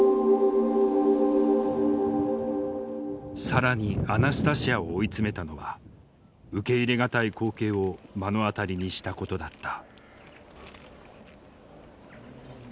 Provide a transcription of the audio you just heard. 更にアナスタシヤを追い詰めたのは受け入れ難い光景を目の当たりにしたことだった。